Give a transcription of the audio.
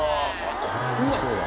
これうまそうだな。